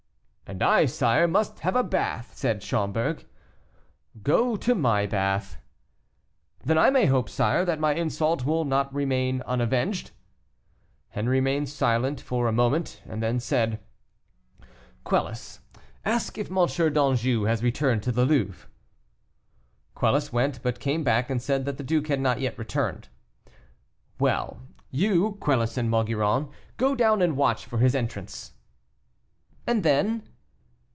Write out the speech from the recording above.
"And I, sire, must have a bath," said Schomberg. "Go to my bath." "Then I may hope, sire, that my insult will not remain unavenged." Henri remained silent a moment, and then said, "Quelus, ask if M. d'Anjou has returned to the Louvre." Quelus went, but came back, and said that the duke had not yet returned. "Well, you, Quelus and Maugiron, go down and watch for his entrance." "And then?"